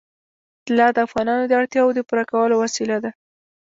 طلا د افغانانو د اړتیاوو د پوره کولو وسیله ده.